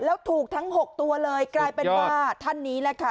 แล้วถูกทั้งหกตัวเลยสุดยอดท่านนี้แหละค่ะ